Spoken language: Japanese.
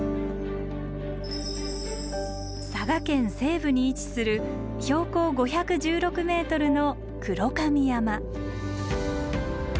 佐賀県西部に位置する標高５１６ｍの黒髪山。